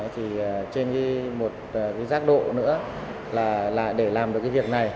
thì trên một cái giác độ nữa là để làm được cái việc này